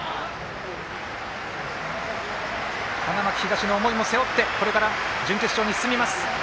花巻東の思いも背負ってこれから、準決勝に進みます。